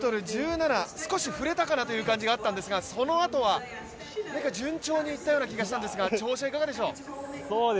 ２ｍ１７、少し触れたかなという感じがあったんですがそのあとは順調にいったような感じがするんですが調子はいかがでしょう？